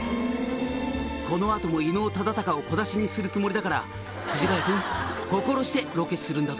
「この後も伊能忠敬を小出しにするつもりだから藤ヶ谷君心してロケするんだぞ？」